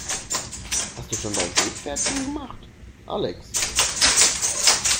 Hast du schon dein Seepferdchen gemacht, Alex?